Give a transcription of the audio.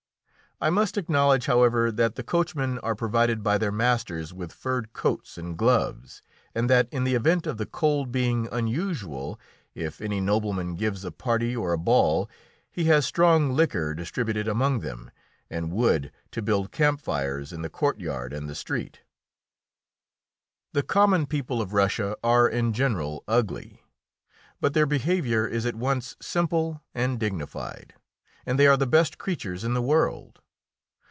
I must acknowledge, however, that the coachmen are provided by their masters with furred coats and gloves, and that, in the event of the cold being unusual, if any noblemen gives a party or a ball he has strong liquor distributed among them, and wood to build campfires in the courtyard and the street. The common people of Russia are in general ugly, but their behaviour is at once simple and dignified, and they are the best creatures in the world.